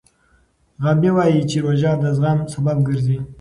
غابي وايي چې روژه د زغم سبب ګرځي.